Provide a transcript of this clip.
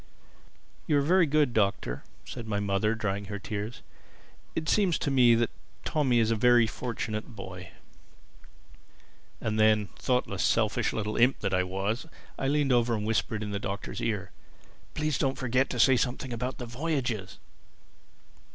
"You are very good, Doctor," said my mother, drying her tears. "It seems to me that Tommy is a very fortunate boy." And then, thoughtless, selfish little imp that I was, I leaned over and whispered in the Doctor's ear, "Please don't forget to say something about the voyages."